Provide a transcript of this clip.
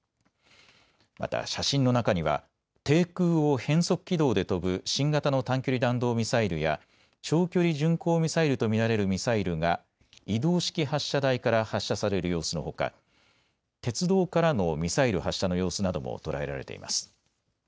また写真の中には低空を変則軌道で飛ぶ新型の短距離弾道ミサイルや長距離巡航ミサイルと見られるミサイルが移動式発射台から発射される様子のほか鉄道からのミサイル発射の様子なども捉えられています。